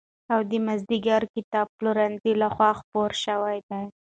او د مازدېګر کتابپلورنځي له خوا خپور شوی دی.